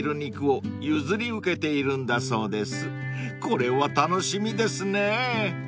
［これは楽しみですね］